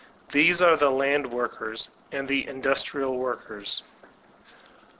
These are the land workers and the industrial workers.